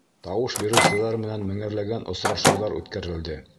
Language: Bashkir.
Тауыш биреүселәр менән меңәрләгән осрашыуҙар үткәрелде.